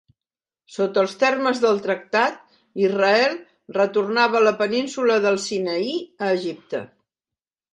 Sota els termes del tractat, Israel retornava la Península del Sinaí a Egipte.